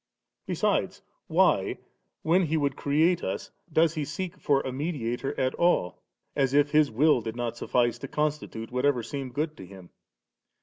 Besides, why, when He would create us, does He seek for a mediator at all, as if His will did not suffice to constitute whatever seemed good to Him?